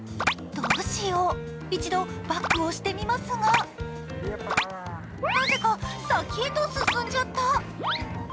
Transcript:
どうしよう、一度バックをしてみますがなぜか先へと進んじゃった。